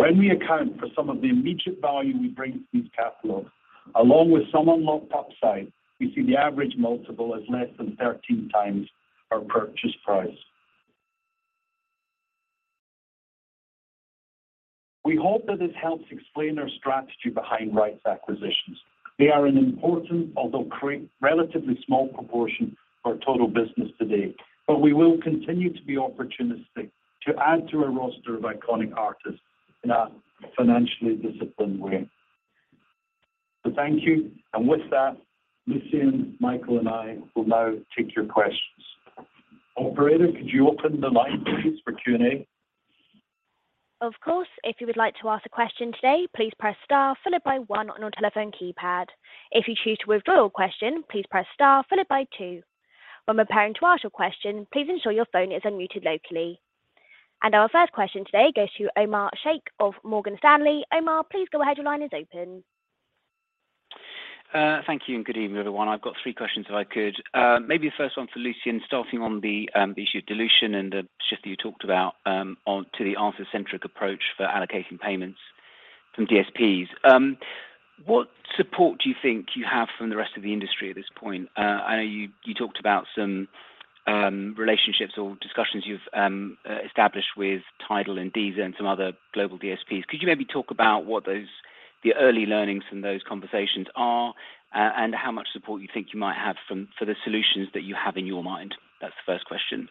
When we account for some of the immediate value we bring to these catalogs, along with some unlocked upside, we see the average multiple as less than 13x our purchase price. We hope that this helps explain our strategy behind rights acquisitions. They are an important, although relatively small proportion of our total business to date. We will continue to be opportunistic to add to our roster of iconic artists in a financially disciplined way. Thank you. With that, Lucian, Michael, and I will now take your questions. Operator, could you open the line, please, for Q&A? Of course. If you would like to ask a question today, please press star followed by one on your telephone keypad. If you choose to withdraw your question, please press star followed by two. When preparing to ask your question, please ensure your phone is unmuted locally. Our first question today goes to Omar Sheikh of Morgan Stanley. Omar, please go ahead. Your line is open. Thank you, and good evening, everyone. I've got three questions, if I could. Yeah. Maybe the first one for Lucian, starting on the issue of dilution and the shift that you talked about, on to the artist-centric approach for allocation payments from DSPs. What support do you think you have from the rest of the industry at this point? I know you talked about some relationships or discussions you've established with TIDAL and Deezer and some other global DSPs. Could you maybe talk about what the early learnings from those conversations are and how much support you think you might have for the solutions that you have in your mind? That's the first question.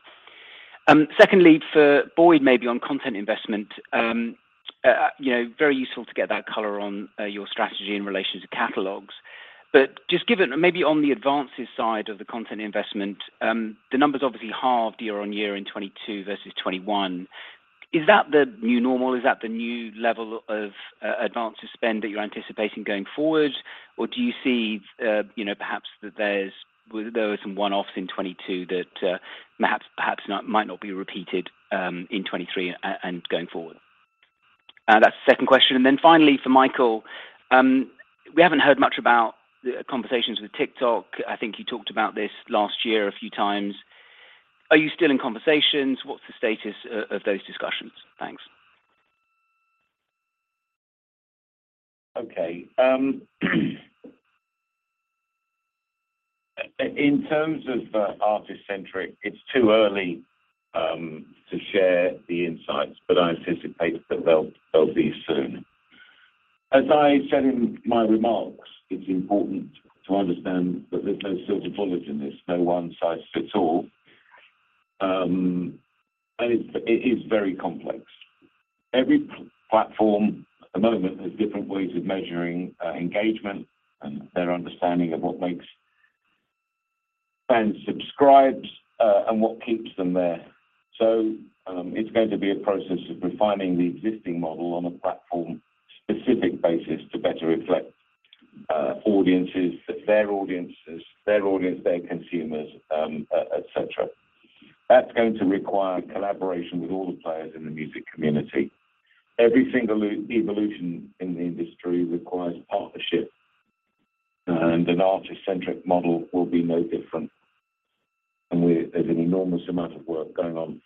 Secondly, for Boyd, maybe on content investment, you know, very useful to get that color on your strategy in relation to catalogs. Just given maybe on the advances side of the content investment, the numbers obviously halved year-over-year in 22 versus 21. Is that the new normal? Is that the new level of advanced spend that you're anticipating going forward? Do you see, you know, perhaps that there were some one-offs in 22 that perhaps not might not be repeated in 23 and going forward? That's the second question. Finally for Michael Nash, we haven't heard much about the conversations with TikTok. I think you talked about this last year a few times. Are you still in conversations? What's the status of those discussions? Thanks. Okay. In terms of artist-centric, it's too early to share the insights, but I anticipate that they'll be soon. As I said in my remarks, it's important to understand that there's no silver bullet in this. No one size fits all. It is very complex. Every platform at the moment has different ways of measuring engagement and their understanding of what makes fans subscribed and what keeps them there. It's going to be a process of refining the existing model on a platform-specific basis to better reflect audiences, fit their audiences, their audience, their consumers, et cetera. That's going to require collaboration with all the players in the music community. Every single evolution in the industry requires partnership, and an artist-centric model will be no different. There's an enormous amount of work going on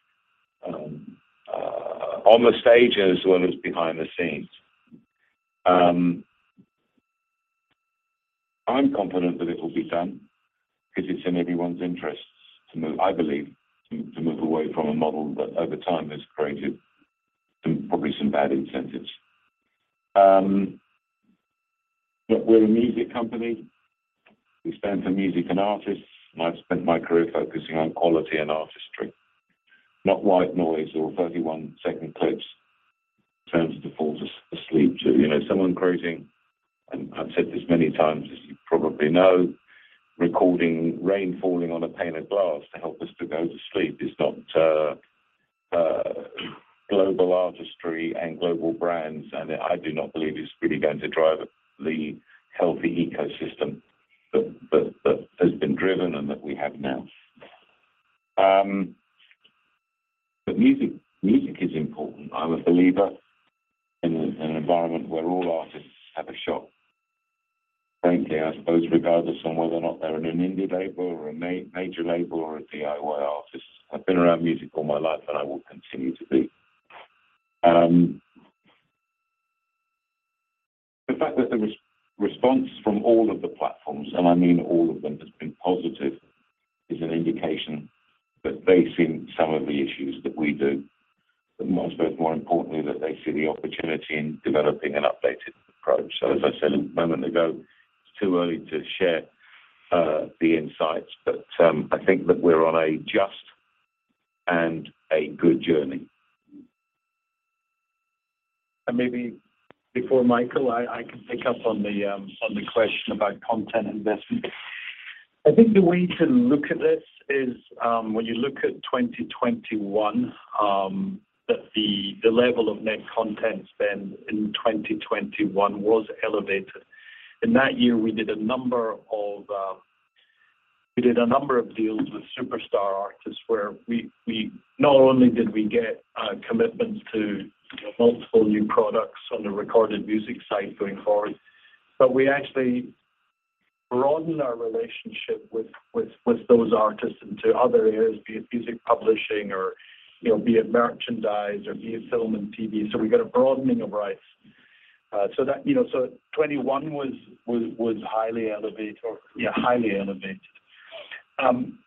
on the stage as well as behind the scenes. I'm confident that it will be done because it's in everyone's interests to move, I believe, to move away from a model that over time has created some, probably some bad incentives. Look, we're a music company. We stand for music and artists. I've spent my career focusing on quality and artistry, not white noise or 31-second clips designed to fall asleep to. You know, someone quoting, and I've said this many times as you probably know, recording rain falling on a pane of glass to help us to go to sleep is not global artistry and global brands. I do not believe it's really going to drive the healthy ecosystem that has been driven and that we have now. Music is important. I'm a believer in an environment where all artists have a shot, frankly, I suppose regardless on whether or not they're in an indie label or a major label or a DIY artist. I've been around music all my life, and I will continue to be. The fact that the response from all of the platforms, and I mean all of them, has been positive, is an indication that they've seen some of the issues that we do. I suppose more importantly, that they see the opportunity in developing an updated approach. As I said a moment ago, it's too early to share the insights, but I think that we're on a just and a good journey. Maybe before Michael Nash, I can pick up on the question about content investment. I think the way to look at this is when you look at 2021, that the level of net content spend in 2021 was elevated. In that year we did a number of deals with superstar artists where we not only did we get commitments to, you know, multiple new products on the recorded music side going forward, but we actually broadened our relationship with those artists into other areas, be it music publishing or, you know, be it merchandise or be it film and TV. We got a broadening of rights so that, you know. 2021 was highly elevated or, yeah, highly elevated.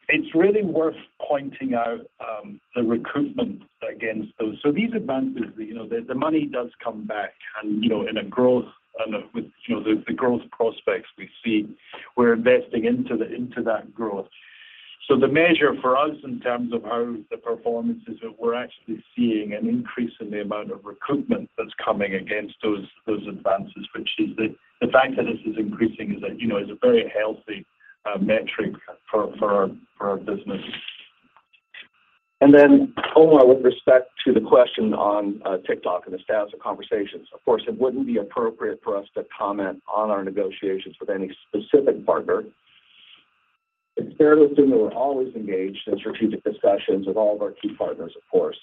It's really worth pointing out the recoupment against those. These advances, you know, the money does come back and, you know, in a growth and with, you know, the growth prospects we see, we're investing into that growth. The measure for us in terms of how the performance is that we're actually seeing an increase in the amount of recruitment that's coming against those advances, which is the fact that this is increasing is a, you know, is a very healthy metric for our business. Then, Omar, with respect to the question on TikTok and the status of conversations, of course, it wouldn't be appropriate for us to comment on our negotiations with any specific partner. It's fair to assume that we're always engaged in strategic discussions with all of our key partners, of course.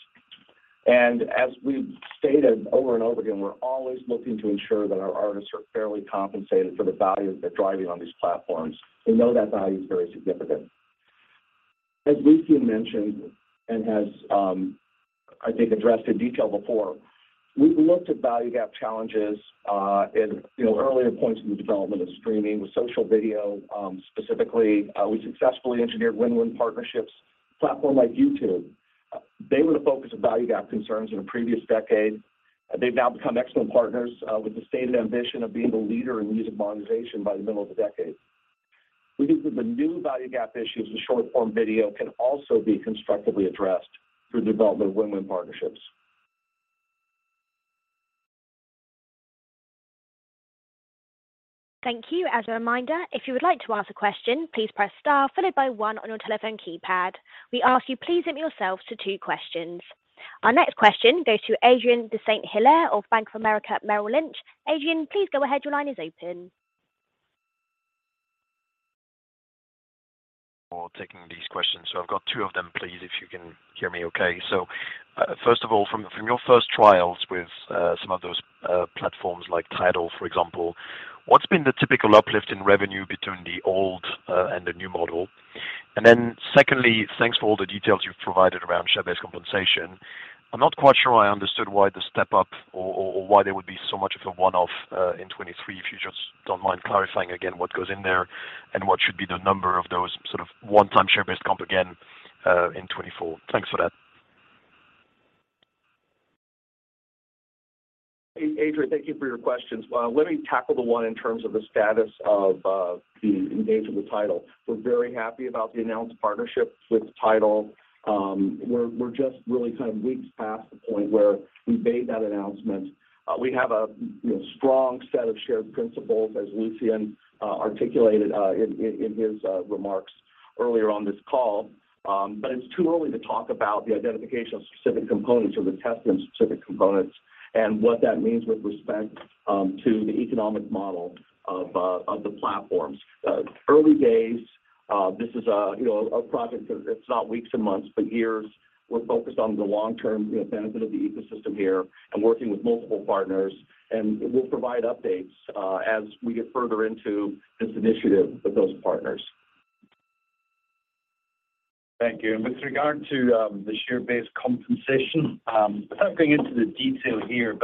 As we've stated over and over again, we're always looking to ensure that our artists are fairly compensated for the value they're driving on these platforms. We know that value is very significant. As Lucian mentioned and has, I think addressed in detail before, we've looked at value gap challenges in, you know, earlier points in the development of streaming with social video specifically. We successfully engineered win-win partnerships. A platform like YouTube, they were the focus of value gap concerns in a previous decade. They've now become excellent partners with the stated ambition of being the leader in music monetization by the middle of the decade. We think that the new value gap issues with short-form video can also be constructively addressed through the development of win-win partnerships. Thank you. As a reminder, if you would like to ask a question, please press star followed by one on your telephone keypad. We ask you please limit yourselves to two questions. Our next question goes to Adrien de St. Hilaire of Bank of America Merrill Lynch. Adrien, please go ahead. Your line is open. For taking these questions. I've got two of them, please, if you can hear me okay. First of all, from your first trials with some of those platforms like TIDAL, for example, what's been the typical uplift in revenue between the old and the new model? Secondly, thanks for all the details you've provided around share-based compensation. I'm not quite sure I understood why the step-up or why there would be so much of a one-off in 2023. If you just don't mind clarifying again what goes in there and what should be the number of those sort of one-time share-based comp again, in 2024. Thanks for that. Adrien, thank you for your questions. Let me tackle the one in terms of the status of the engagement with TIDAL. We're very happy about the announced partnership with TIDAL. We're just really kind of weeks past the point where we made that announcement. We have a, you know, strong set of shared principles, as Lucian articulated in his remarks earlier on this call. It's too early to talk about the identification of specific components or the testing of specific components and what that means with respect to the economic model of the platforms. Early days, this is, you know, a project that it's not weeks and months, but years. We're focused on the long-term, you know, benefit of the ecosystem here and working with multiple partners, we'll provide updates as we get further into this initiative with those partners. Thank you. With regard to the share-based compensation, without going into the detail here,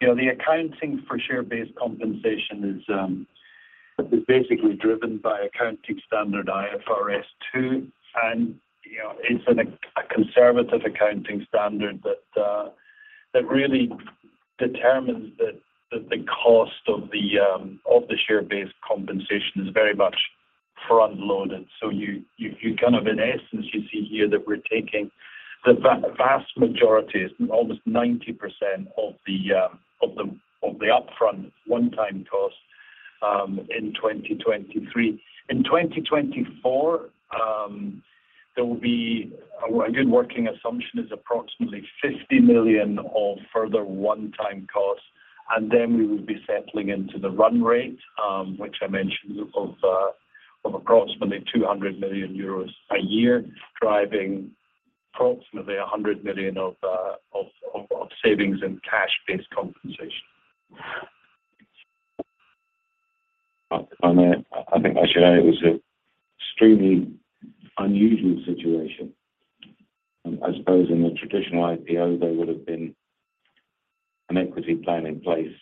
you know, the accounting for share-based compensation is basically driven by accounting standard IFRS 2. You know, it's a conservative accounting standard that really determines that the cost of the share-based compensation is very much front-loaded. You kind of in essence, you see here that we're taking the vast majority, almost 90% of the upfront one-time cost in 2023. In 2024, there will be a good working assumption is approximately 50 million of further one-time costs. Then we would be settling into the run rate, which I mentioned of approximately 200 million euros a year, driving approximately 100 million of savings in cash-based compensation. I think I should add it was an extremely unusual situation. I suppose in a traditional IPO, there would've been an equity plan in place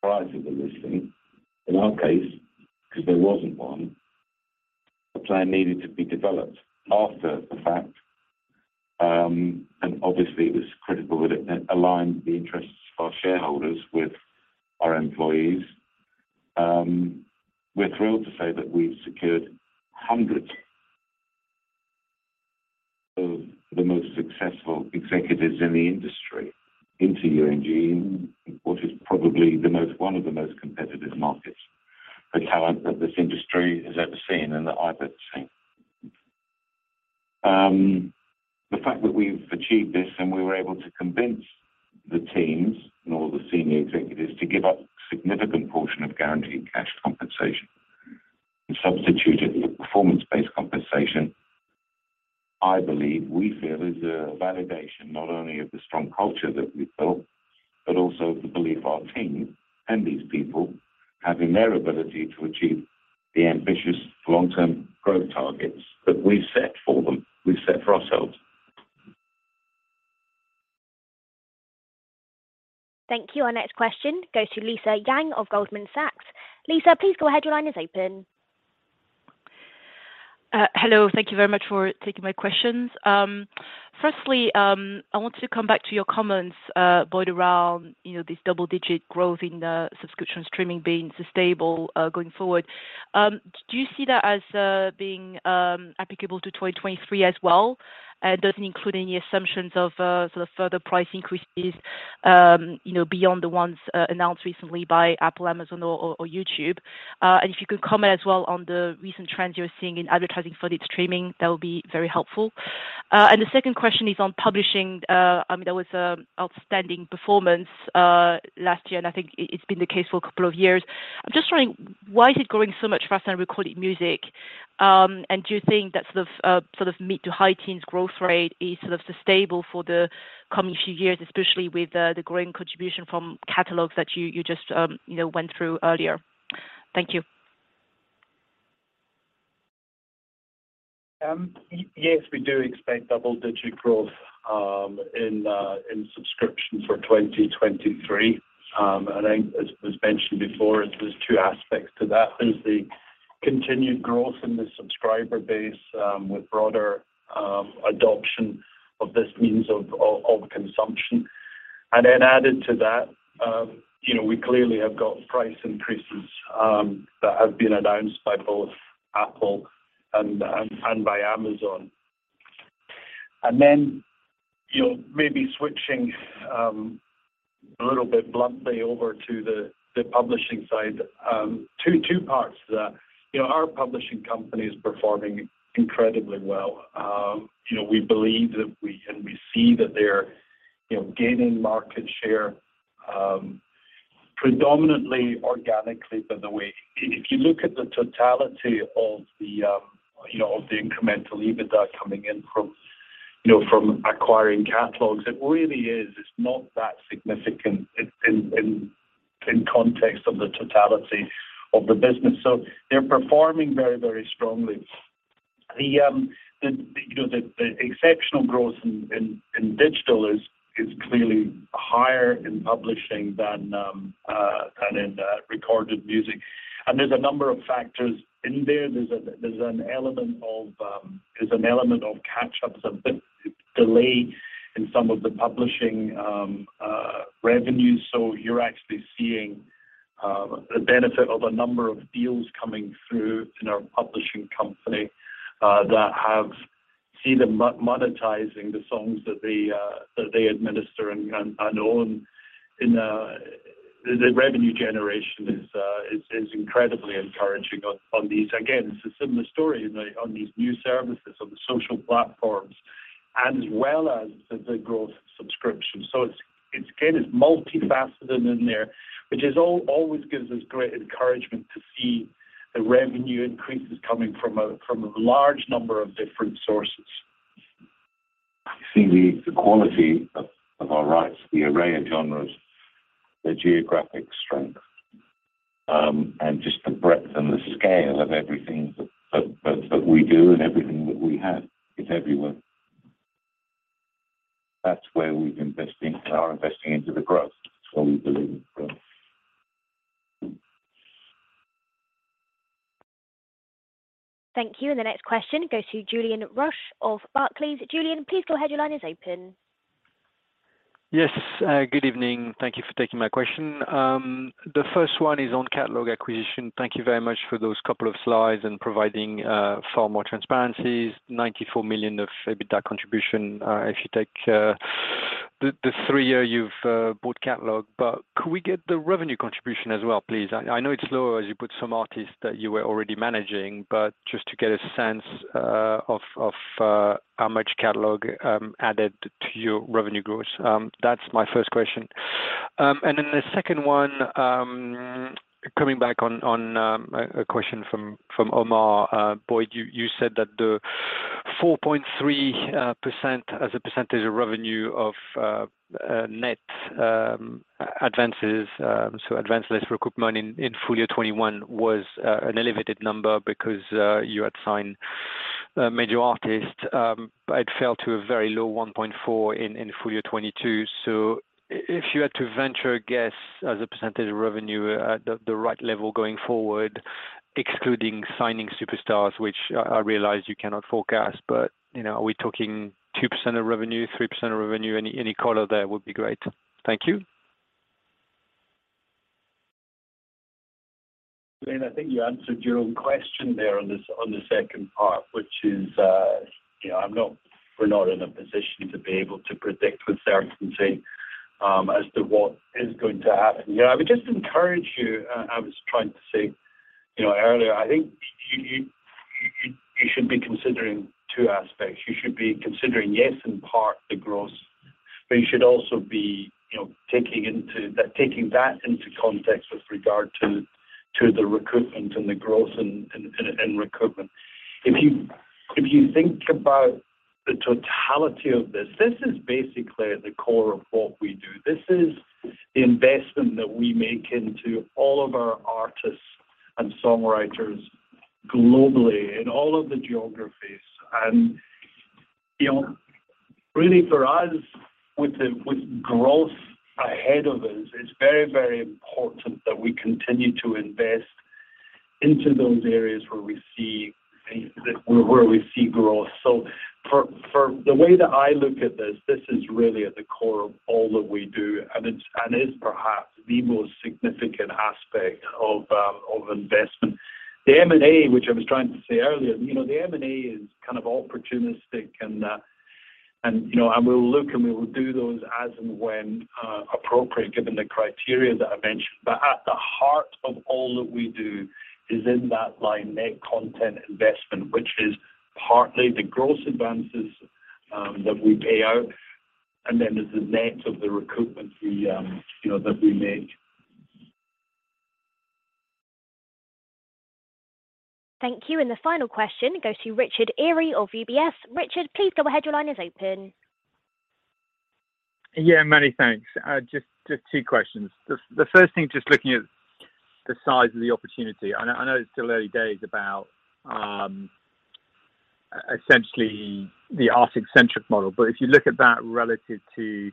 prior to the listing. In our case, because there wasn't one, a plan needed to be developed after the fact. Obviously, it was critical that it aligned the interests of our shareholders with our employees. We're thrilled to say that we've secured hundreds of the most successful executives in the industry into UMG in what is probably one of the most competitive markets for talent that this industry has ever seen and that I've ever seen. The fact that we've achieved this and we were able to convince the teams and all the senior executives to give up a significant portion of guaranteed cash compensation and substitute it with performance-based compensation, I believe, we feel is a validation not only of the strong culture that we've built but also the belief our team and these people have in their ability to achieve the ambitious long-term growth targets that we've set for them, we've set for ourselves. Thank you. Our next question goes to Lisa Yang of Goldman Sachs. Lisa, please go ahead. Your line is open. Hello. Thank you very much for taking my questions. Firstly, I want to come back to your comments, Boyd, around, you know, this double-digit growth in the subscription streaming being sustainable going forward. Do you see that as being applicable to 2023 as well? Does it include any assumptions of sort of further price increases, you know, beyond the ones announced recently by Apple, Amazon or YouTube? If you could comment as well on the recent trends you're seeing in advertising for the streaming, that would be very helpful. The second question is on publishing. I mean, that was outstanding performance last year, and I think it's been the case for a couple of years. I'm just wondering, why is it growing so much faster than recorded music? Do you think that sort of mid to high teens growth rate is sort of sustainable for the coming few years, especially with the growing contribution from catalogs that you just went through earlier? Thank you. Yes, we do expect double-digit growth in subscription for 2023. I think as mentioned before, there's two aspects to that. There's the continued growth in the subscriber base with broader adoption of this means of consumption. Added to that, you know, we clearly have got price increases that have been announced by both Apple and by Amazon. You know, maybe switching a little bit bluntly over to the publishing side. Two parts to that. You know, our publishing company is performing incredibly well. You know, we believe that we. We see that they're, you know, gaining market share predominantly organically by the way. If you look at the totality of the, you know, of the incremental EBITDA coming in from, you know, from acquiring catalogs, it really is, it's not that significant in context of the totality of the business. They're performing very, very strongly. The, the, you know, the exceptional growth in digital is clearly higher in publishing than in recorded music. There's a number of factors in there. There's a, there's an element of, there's an element of catch up that's a bit delayed in some of the publishing revenues. You're actually seeing the benefit of a number of deals coming through in our publishing company that have seen them monetizing the songs that they administer and own. The revenue generation is incredibly encouraging on these. It's a similar story on these new services, on the social platforms, and as well as the growth subscription. It's again, it's multifaceted in there, which always gives us great encouragement to see the revenue increases coming from a large number of different sources. See the quality of our rights, the array of genres, the geographic strength, just the breadth and the scale of everything that we do and everything that we have is everywhere. That's where we've invested and are investing into the growth. That's where we believe the growth. Thank you. The next question goes to Julien Roch of Barclays. Julien, please go ahead. Your line is open. Yes. Good evening. Thank you for taking my question. The first one is on catalog acquisition. Thank you very much for those couple of slides and providing far more transparencies. 94 million of EBITDA contribution, if you take the three year you've bought catalog. Could we get the revenue contribution as well, please? I know it's lower as you put some artists that you were already managing, but just to get a sense of how much catalog added to your revenue growth. That's my first question. Then the second one, coming back on a question from Omar. Boyd, you said that the 4.3% as a percentage of revenue of net advances, so advance less recoupment in full year 2021 was an elevated number because you had signed major artists. It fell to a very low 1.4% in full year 2022. If you had to venture a guess as a percentage of revenue at the right level going forward, excluding signing superstars, which I realize you cannot forecast, but, you know, are we talking 2% of revenue, 3% of revenue? Any color there would be great. Thank you. Julien, I think you answered your own question there on the, on the second part, which is, you know, we're not in a position to be able to predict with certainty as to what is going to happen. You know, I would just encourage you, I was trying to say, you know, earlier, I think you should be considering two aspects. You should be considering, yes, in part the growth, but you should also be, you know, taking that into context with regard to the recruitment and the growth and recruitment. If you, if you think about the totality of this is basically the core of what we do. This is the investment that we make into all of our artists and songwriters globally in all of the geographies. You know, really for us, with the, with growth ahead of us, it's very, very important that we continue to invest into those areas where we see where we see growth. For the way that I look at this is really at the core of all that we do, and is perhaps the most significant aspect of investment. The M&A, which I was trying to say earlier, you know, the M&A is kind of opportunistic and, you know, and we'll look, and we will do those as and when appropriate given the criteria that I mentioned. At the heart of all that we do is in that line net content investment, which is partly the gross advances that we pay out, and then there's the net of the recoupment we, you know, that we make. Thank you. The final question goes to Richard Eary of UBS. Richard, please go ahead, your line is open. Yeah, many thanks. just two questions. The first thing just looking at the size of the opportunity. I know it's still early days about essentially the artist-centric model. If you look at that relative to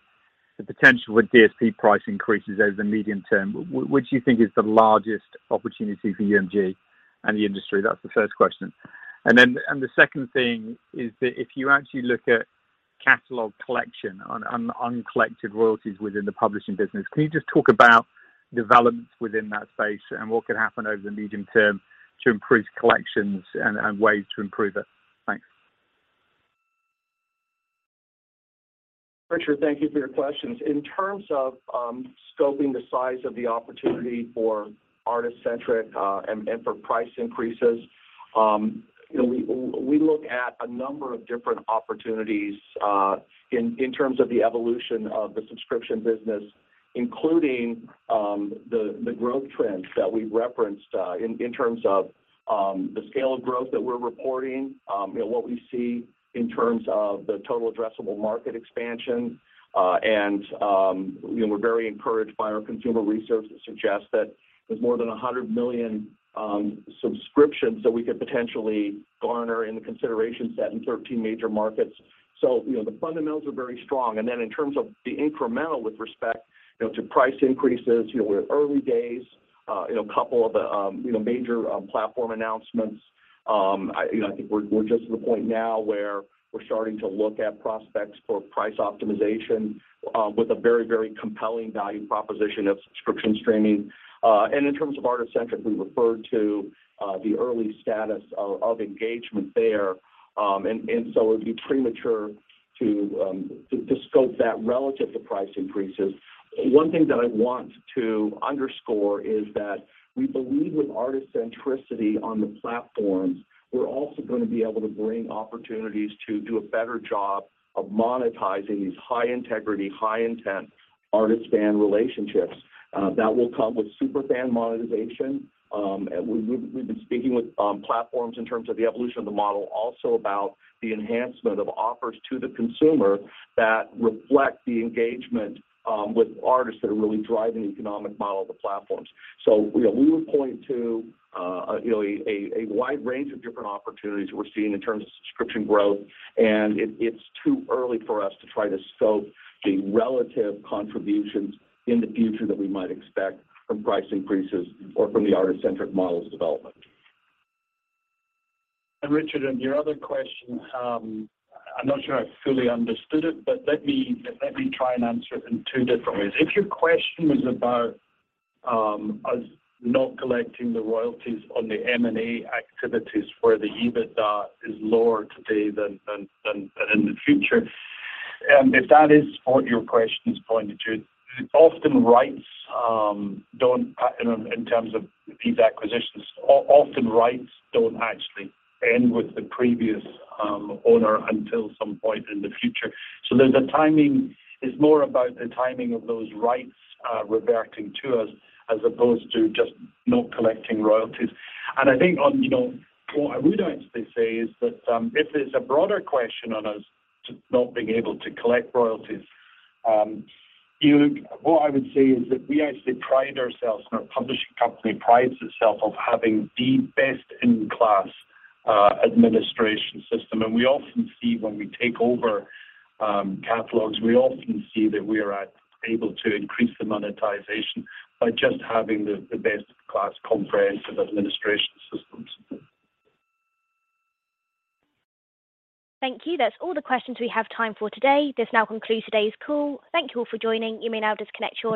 the potential with DSP price increases over the medium term, what do you think is the largest opportunity for UMG and the industry? That's the first question. The second thing is that if you actually look at catalog collection on uncollected royalties within the publishing business, can you just talk about developments within that space and what could happen over the medium term to improve collections and ways to improve it? Thanks. Richard, thank you for your questions. In terms of scoping the size of the opportunity for artist-centric and for price increases, you know, we look at a number of different opportunities in terms of the evolution of the subscription business, including the growth trends that we referenced in terms of the scale of growth that we're reporting, you know, what we see in terms of the total addressable market expansion. You know, we're very encouraged by our consumer research that suggests that there's more than 100 million subscriptions that we could potentially garner in the consideration set in 13 major markets. You know, the fundamentals are very strong. In terms of the incremental with respect, you know, to price increases, you know, we're early days, you know, a couple of, you know, major platform announcements. I think we're just at the point now where we're starting to look at prospects for price optimization with a very, very compelling value proposition of subscription streaming. In terms of artist-centric, we referred to the early status of engagement there. It'd be premature to scope that relative to price increases. One thing that I want to underscore is that we believe with artist centricity on the platforms, we're also gonna be able to bring opportunities to do a better job of monetizing these high integrity, high intent artist-fan relationships. That will come with super fan monetization. We've been speaking with platforms in terms of the evolution of the model, also about the enhancement of offers to the consumer that reflect the engagement with artists that are really driving the economic model of the platforms. You know, we would point to, you know, a wide range of different opportunities we're seeing in terms of subscription growth. It's too early for us to try to scope the relative contributions in the future that we might expect from price increases or from the artist-centric model's development. Richard, your other question, I'm not sure I fully understood it, but let me try and answer it in two different ways. Your question was about us not collecting the royalties on the M&A activities where the EBITDA is lower today than in the future. That is what your question is pointed to, often rights don't in terms of these acquisitions, often rights don't actually end with the previous owner until some point in the future. There's a timing. It's more about the timing of those rights reverting to us as opposed to just not collecting royalties. I think on, you know, what I would actually say is that, if there's a broader question on us just not being able to collect royalties, What I would say is that we actually pride ourselves and our publishing company prides itself of having the best in class administration system. We often see when we take over catalogs, we often see that we are able to increase the monetization by just having the best in class comprehensive administration systems. Thank you. That's all the questions we have time for today. This now concludes today's call. Thank you all for joining. You may now disconnect your line.